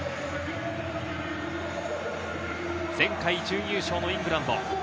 前回準優勝のイングランド。